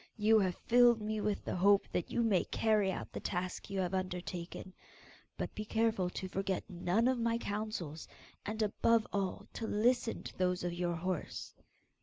You have filled me with the hope that you may carry out the task you have undertaken, but be careful to forget none of my counsels, and above all to listen to those of your horse.